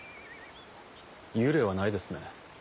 幽霊はないですね。